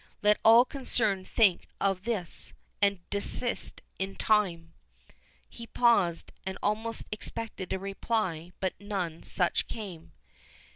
Let all concerned think of this, and desist in time." He paused, and almost expected a reply, but none such came.